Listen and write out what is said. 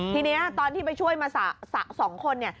ทีนี้ตอนที่ไปช่วยมาสะ๒คนเนี่ย